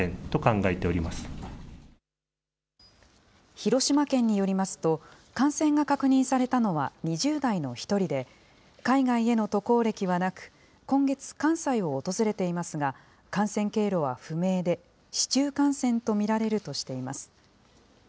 広島県によりますと、感染が確認されたのは２０代の１人で、海外への渡航歴はなく、今月、関西を訪れていますが、感染経路は不明で、市中感染と見られるとしています。